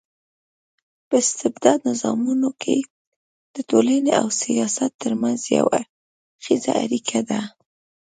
په استبدادي نظامونو کي د ټولني او سياست ترمنځ يو اړخېزه اړيکه ده